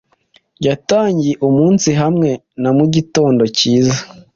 Yatangiye umunsi hamwe na mugitondo cyiza.